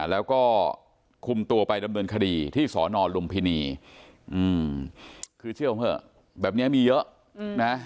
แล้วก็คุมตัวไปดำเนินคดีที่สอนอลุมพินีคือเชื่อผมเถอะแบบนี้มีเยอะนะ